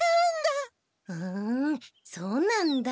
ふんそうなんだ。